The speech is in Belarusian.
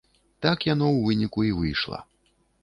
Так яно ў выніку і выйшла.